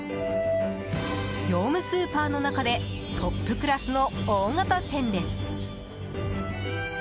業務スーパーの中でトップクラスの大型店です。